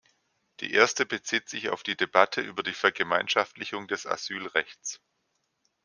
Die erste bezieht sich auf die Debatte über die "Vergemeinschaftlichung" des Asylrechts.